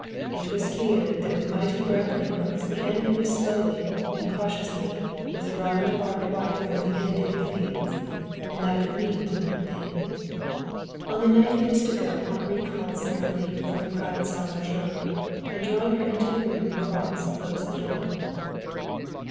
It was feared that with grappling hooks the enemy was slowly and cautiously withdrawing the barbed wire from the inundated fields; and that could mean but one thing. On the night he was to go Henri called Sara Lee from the crowded salle à manger and drawing her into the room across closed the door.